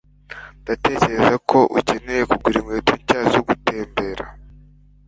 Ndatekereza ko ukeneye kugura inkweto nshya zo gutembera.